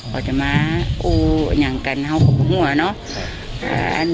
เขาจะมาอูอย่างกันเขากลับกับหัวเนอะ